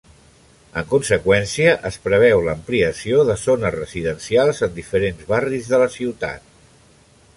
En conseqüència es preveu l'ampliació de zones residencials en diferents barris de la ciutat.